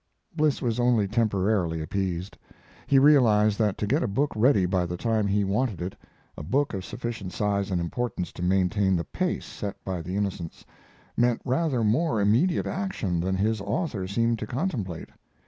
Bliss was only temporarily appeased. He realized that to get a book ready by the time he wanted it a book of sufficient size and importance to maintain the pace set by the Innocents meant rather more immediate action than his author seemed to contemplate.